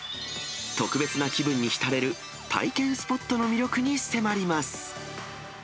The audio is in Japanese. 特別な気分に浸れる、体験スポットの魅力に迫ります。